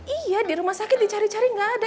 iya di rumah sakit dicari cari nggak ada